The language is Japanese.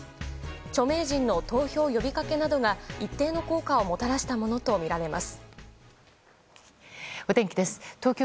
著名人の投票呼びかけなどが一定の効果をもたらしたものとみられます。